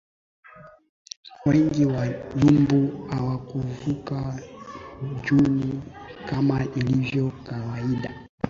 Wengi wa nyumbu hawakuvuka Juni kama ilivyo kawaida